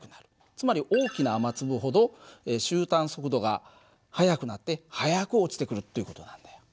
つまり大きな雨粒ほど終端速度が速くなって速く落ちてくるという事なんだよ。